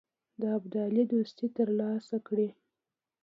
د ابدالي دوستي تر لاسه کړي.